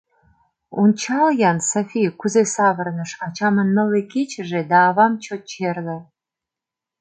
— Ончал-ян, Софи, кузе савырныш, ачамын нылле кечыже да авам чот черле.